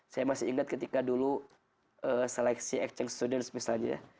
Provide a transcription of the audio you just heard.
saya masih ingat ketika dulu seleksi exchange students misalnya ya